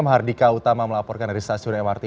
mahardika utama melaporkan dari stasiun mrt